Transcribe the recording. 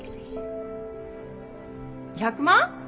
１００万？